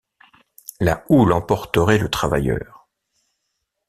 La houle emporterait le travailleur.